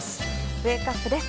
ウェークアップです。